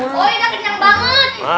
oh udah kenyang banget